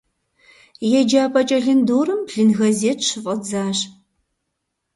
Еджапӏэ кӏэлындорым блын газет щыфӏэдзащ.